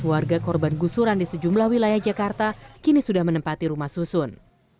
warga korban gusuran di sejumlah wilayah jakarta kini sudah menempati rumah susun